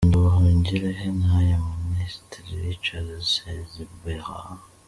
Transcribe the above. Olivier Nduhungirehe n’aya Minisitiri Richard Sezibera.